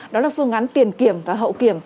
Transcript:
đó là phương án tiền kiểm và hậu kiểm